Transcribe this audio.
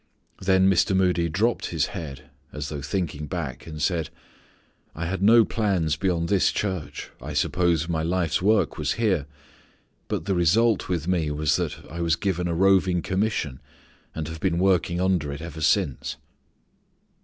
Then Mr. Moody dropped his head, as though thinking back, and said: "I had no plans beyond this church. I supposed my life work was here. But the result with me was that I was given a roving commission and have been working under it ever since."